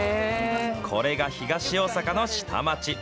これが東大阪の下町。